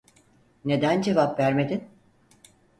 Neden cevap vermedin?